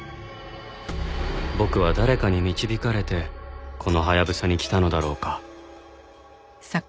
僕は誰かに導かれてこのハヤブサに来たのだろうか